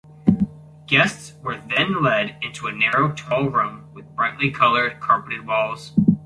Guests were then led into a narrow, tall room with brightly colored carpeted walls.